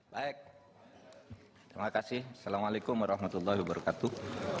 baik terima kasih assalamualaikum warahmatullahi wabarakatuh